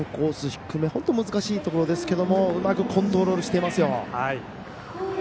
低め本当難しいところですけどうまくコントロールしてますよ。